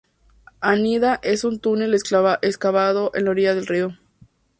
Anida en un túnel excavado a la orilla del río.